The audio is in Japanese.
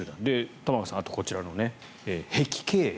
玉川さん、あとこちらの碧桂園。